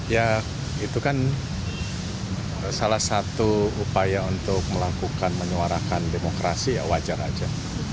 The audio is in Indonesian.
ya itu kan salah satu upaya untuk melakukan menyuarakan demokrasi ya wajar saja